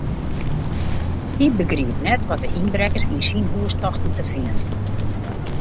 Hy begriep net wat de ynbrekkers yn syn hús tochten te finen.